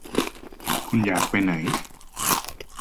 คุณอยากไปไหน